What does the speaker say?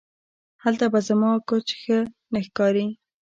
هلته به زما کوچ ښه نه ښکاري